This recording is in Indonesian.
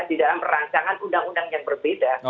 di dalam rancangan undang undang yang berbeda